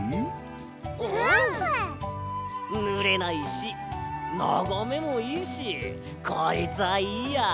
ぬれないしながめもいいしこいつはいいや。